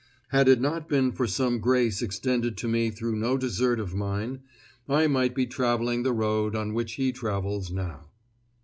Had it not been for some grace extended to me through no desert of mine, I might be traveling the road on which he travels now.